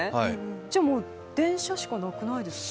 じゃ、もう電車しかなくないですか？